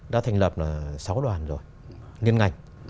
đã thành lập sáu đoàn rồi liên ngạch